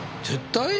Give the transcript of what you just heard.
絶対？